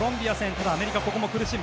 ただ、アメリカここも苦しむ。